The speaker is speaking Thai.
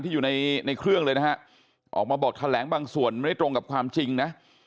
อยู่ในเครื่องเลยนะฮะออกมาบอกแถลงบางส่วนมันไม่ตรงกับความจริงนะ